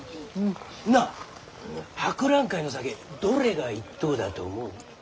なあ博覧会の酒どれが一等だと思う？